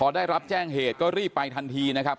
ได้รับแจ้งเหตุก็รีบไปทันทีนะครับ